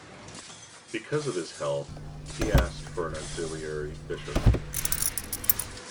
Because of his health, he asked for an auxiliary bishop.